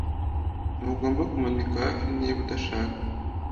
Ntugomba kumanika hafi niba udashaka